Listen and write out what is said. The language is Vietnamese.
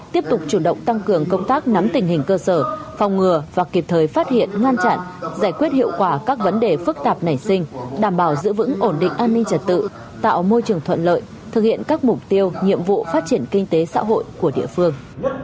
tiếp tục chủ động tăng cường công tác nắm tình hình cơ sở phòng ngừa và kịp thời phát hiện ngăn chặn giải quyết hiệu quả các vấn đề phức tạp nảy sinh đảm bảo giữ vững ổn định an ninh trật tự tạo môi trường thuận lợi thực hiện các mục tiêu nhiệm vụ phát triển kinh tế xã hội của địa phương